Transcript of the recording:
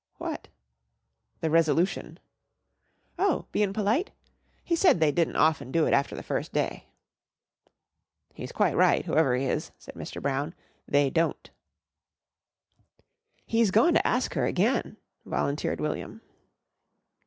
"What?" "The resolution." "Oh, bein' p'lite! He said they didn't often do it after the first day." "He's quite right, whoever he is," said Mr. Brown. "They don't." "He's goin' to ask her again," volunteered William.